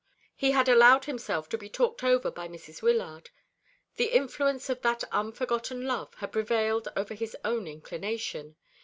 He had allowed himself to be talked over by Mrs. Wyllard. The influence of that unforgotten love had prevailed over his own inclination.